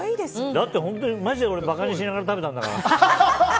だって本当にマジで俺馬鹿にしながら食べたんだから。